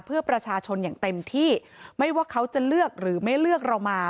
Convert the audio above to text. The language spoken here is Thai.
เพื่อประชาชนอย่างเต็มที่ไม่ว่าเขาจะเลือกหรือไม่เลือกเรามา